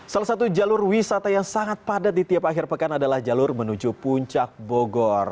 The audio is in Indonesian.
salah satu jalur wisata yang sangat padat di tiap akhir pekan adalah jalur menuju puncak bogor